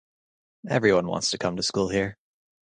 Everybody wants to come to school here.